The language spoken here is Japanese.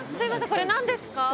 これ何ですか？